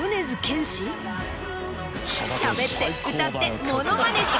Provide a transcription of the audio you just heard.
しゃべって歌ってモノマネして。